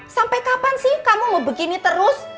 sampai kapan sih kamu mau begini terus